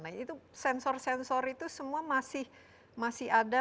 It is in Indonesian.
nah itu sensor sensor itu semua masih ada